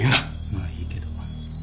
まあいいけど。